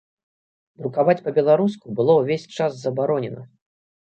Друкаваць па-беларуску было ўвесь час забаронена.